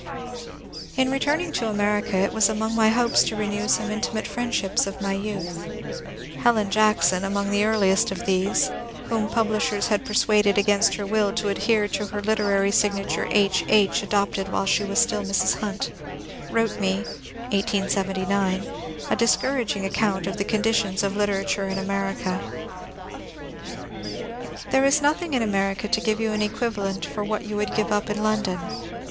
In returning to America it was among my hopes to renew some intimate friendships of my youth. Helen Jackson, among 73 the earliest of these, — whom publishers had persuaded against her will to adhere to her literary signature, ^^ H. H.," adopted while she was still Mrs. Hunt, — wrote me (1879) a dis couraging account of the conditions of literature in America. There is nothing in America to give you an equivalent for what you would give up in London.